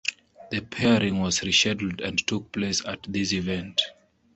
The pairing was rescheduled and took place at this event.